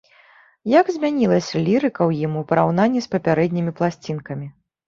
Як змянілася лірыка ў ім у параўнанні з папярэднімі пласцінкамі?